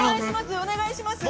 お願いします。